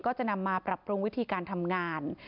ก็จะนำมาปรับปรุงวิธีการทำงาน